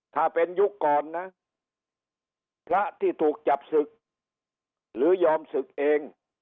ถ้าเป็นยุคก่อนนะพระที่ถูกจับศึกหรือยอมศึกเอง